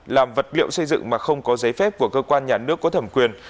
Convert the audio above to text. làm vật liệu xây dựng mà không có giấy phép của cơ quan nhà nước có thẩm quyền